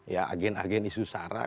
ya agen agen isu sara